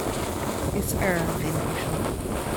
Is ar, a dhuine uasail